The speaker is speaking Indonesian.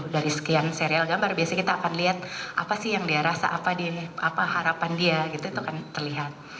dari sekian serial gambar biasanya kita akan lihat apa sih yang dia rasa apa harapan dia gitu itu akan terlihat